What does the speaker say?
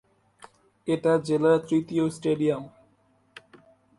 এটা জেলার তৃতীয় স্টেডিয়াম।